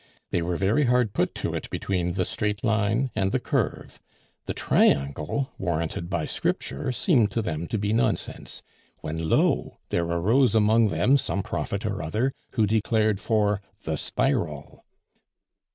"They were very hard put to it between the straight line and the curve; the triangle, warranted by Scripture, seemed to them to be nonsense, when, lo! there arose among them some prophet or other who declared for the spiral."